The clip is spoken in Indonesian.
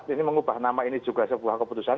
ini mengubah nama ini juga sebuah keputusan